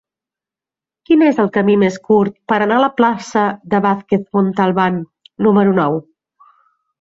Quin és el camí més curt per anar a la plaça de Vázquez Montalbán número nou?